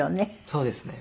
そうですね。